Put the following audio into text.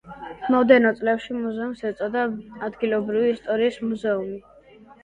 მომდევნო წლებში მუზეუმს ეწოდა ადგილობრივი ისტორიის მუზეუმი.